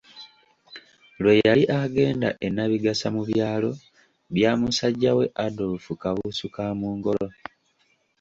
Lwe yali agenda e Nnabigasa mu byalo bya musajja we Adolfu Kabuusu Kaamungolo.